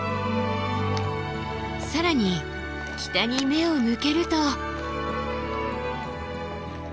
更に北に目を向けると。